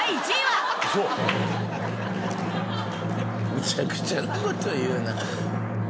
むちゃくちゃなこと言うな。